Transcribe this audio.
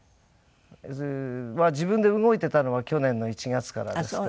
それは自分で動いてたのは去年の１月からですけど。